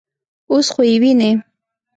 _اوس خو يې وينې.